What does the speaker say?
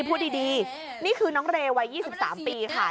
พูดดีนี่คือน้องเรย์วัย๒๓ปีค่ะ